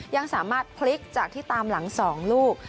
ยังสามารถพลิกจากที่ตามหลัง๒ลูก